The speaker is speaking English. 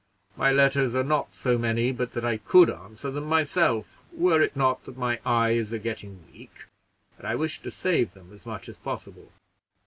My letters are not so many but that I could answer them myself, were it not that my eyes are getting weak, and I wish to save them as much as possible.